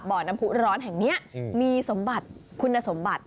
น้ำผู้ร้อนแห่งนี้มีสมบัติคุณสมบัติ